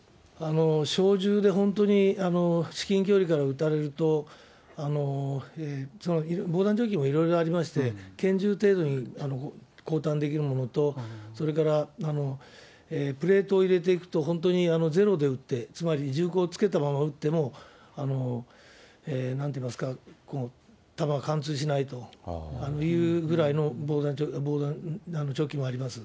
小銃で本当に至近距離から撃たれると、防弾チョッキもいろいろありまして、拳銃程度にこうたんできるものと、それからプレートを入れていくと、本当にゼロで撃って、つまり銃口をつけたまま撃っても、なんて言いますか、弾は貫通しないというぐらいの防弾チョッキもあります。